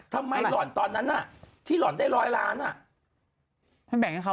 หล่อนตอนนั้นน่ะที่หล่อนได้ร้อยล้านอ่ะมันแบ่งให้เขา